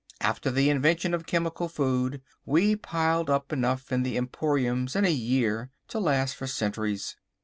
After the invention of Chemical Food we piled up enough in the emporiums in a year to last for centuries.